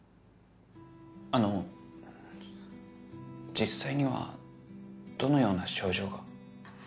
あの実際にはどのような症状が。